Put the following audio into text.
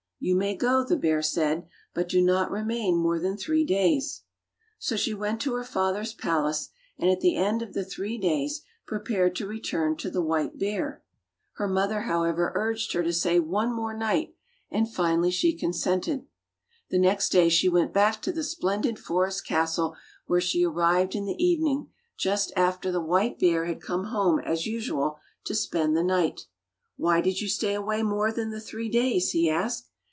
"You may go," the bear said, "but do not remain more than three days." So she went to her father's palace, and at the end of the three days prepared to return to the white bear. Her mother, however. 130 Fairy Tale Bears urged her to stay one more night, and finally she consented. The next day she went back to the splen did forest castle where she arrived in the evening just after the white bear had come home as usual to spend the night. "Why did you stay away more than the three days.^" he asked.